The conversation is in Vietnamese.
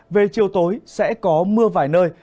về chiều tối sẽ có mưa vài nơi